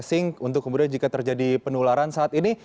dividisi kontak tracing untuk kemudian jika terjadi penularan saat ini